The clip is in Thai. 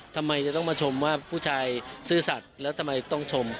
ทำไมจะต้องมาชมว่าผู้ชายซื่อสัตว์แล้วทำไมต้องชม